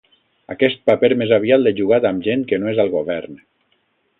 Aquest paper més aviat l’he jugat amb gent que no és al govern.